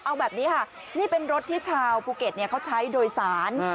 เอาแบบนี้ค่ะนี่เป็นรถที่ชาวภูเก็ตเขาใช้โดยสาร